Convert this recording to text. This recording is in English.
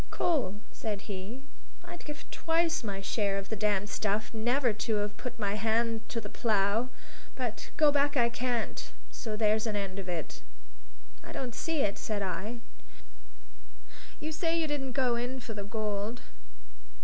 "Cole," said he, "I'd give twice my share of the damned stuff never to have put my hand to the plough; but go back I can't; so there's an end of it." "I don't see it," said I. "You say you didn't go in for the gold?